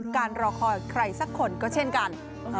รอคอยใครสักคนก็เช่นกัน